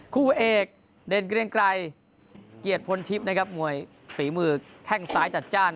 คู่เอกเด่นเกรียงไกรเกียรติพลทิพย์นะครับมวยฝีมือแข้งซ้ายจัดจ้าน